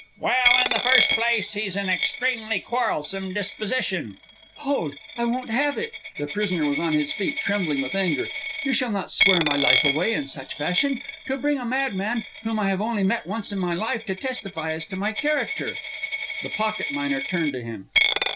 "Well, in the first place, he's an extremely quarrelsome disposition " "Hold! I won't have it!" The prisoner was on his feet, trembling with anger. "You shall not swear my life away in such fashion! To bring a madman, whom I have only met once in my life, to testify as to my character!" The pocket miner turned to him.